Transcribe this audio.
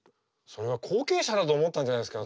それは後継者だと思ったんじゃないですか？